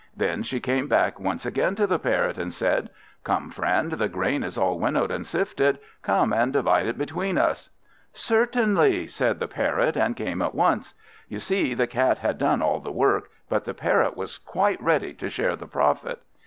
Then she came back once again to the Parrot, and said "Come, friend, the grain is all winnowed and sifted; come and divide it between us." "Certainly," said the Parrot, and came at once. You see the Cat had done all the work, but the Parrot was quite ready to share the profit.